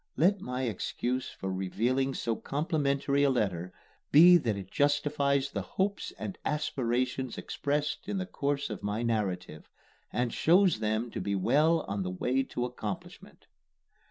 Let my excuse for revealing so complimentary a letter be that it justifies the hopes and aspirations expressed in the course of my narrative, and shows them to be well on the way to accomplishment.